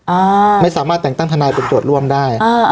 อ่าไม่สามารถแต่งตั้งทนายเป็นโจทย์ร่วมได้อ่า